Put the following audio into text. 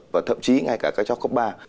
và thậm chí ngay cả các cháu cấp ba